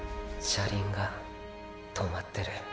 車輪が止まってる。